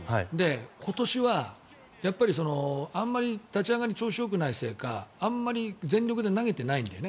今年はやっぱりあまり立ち上がりが調子がよくないせいかあまり全力で投げてないんだよね。